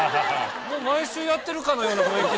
毎週やってるかのような雰囲気。